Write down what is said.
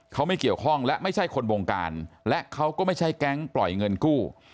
เขาไม่เกี่ยวข้องและไม่ใช่คนบงการและเขาก็ไม่ใช่แก๊งปล่อยเงินกู้